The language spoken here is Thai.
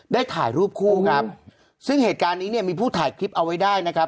ได้ถ่ายรูปคู่ครับซึ่งเหตุการณ์นี้เนี่ยมีผู้ถ่ายคลิปเอาไว้ได้นะครับ